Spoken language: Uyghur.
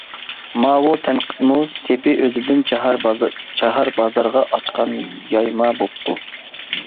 ماۋۇ تەنقىدمۇ سېپى ئۆزىدىن چاھار بازارغا ئاچقان يايما بوپتۇ.